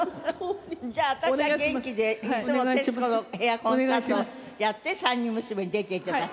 じゃあ私が元気でいつも「徹子の部屋」コンサートをやって三人娘に出て頂く。